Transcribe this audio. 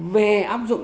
về áp dụng